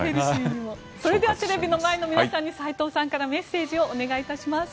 ではテレビの前の皆さんに斎藤さんからメッセージをお願いします。